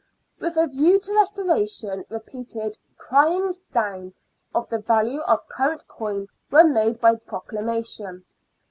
With a view to restoration, repeated " cryings down " of the value of current coin were made by proclamation.